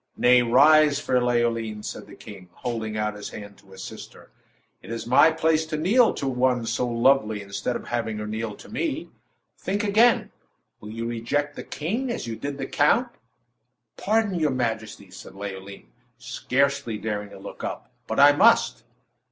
"Nay; rise, fair Leoline," said the king, holding out his hand to assist her. "It is my place to kneel to one so lovely instead of having her kneel to me. Think again. Will you reject the king as you did the count?" "Pardon, your majesty!", said Leoline, scarcely daring to look up; "but I must!"